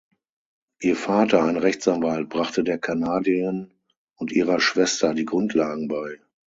Ihr Vater, ein Rechtsanwalt, brachte der Kanadierin und ihrer Schwester die Grundlagen bei.